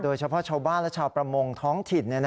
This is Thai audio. โดยเฉพาะชาวบ้านและชาวประมงท้องถิ่น